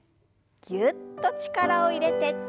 ぎゅっと力を入れて。